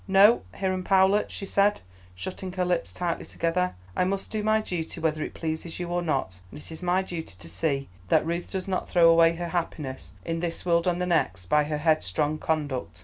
"No, Hiram Powlett," she said, shutting her lips tightly together; "I must do my duty whether it pleases you or not, and it is my duty to see that Ruth does not throw away her happiness in this world and the next by her headstrong conduct.